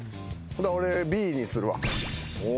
俺Ｂにするわ。